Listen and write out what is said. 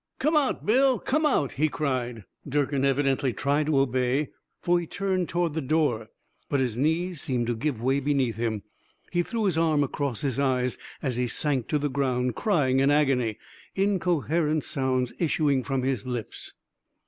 "Come out, Bill, come out," he cried. Durkin evidently tried to obey, for he turned toward the door. But his knees seemed to give way beneath him, he threw his arm across his eyes as he sank to the ground, crying in agony, incoherent sounds issuing from his lips.